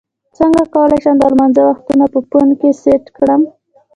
څنګه کولی شم د لمانځه وختونه په فون کې سیټ کړم